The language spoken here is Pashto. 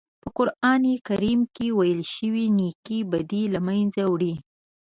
په قرآن کریم کې ویل شوي نېکۍ بدۍ له منځه وړي.